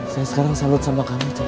saya sekarang salut sama kamu cek